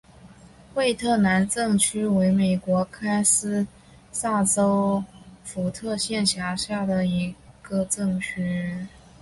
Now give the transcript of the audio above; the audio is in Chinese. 惠特兰镇区为美国堪萨斯州福特县辖下的镇区。